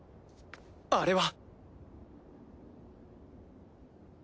あれは！